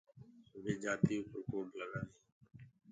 وي جآتيٚنٚ اوپر ڪوڊ لگآ دينيٚ۔